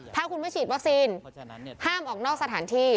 ถ้าคุณไม่ฉีดวัคซีนห้ามออกนอกสถานที่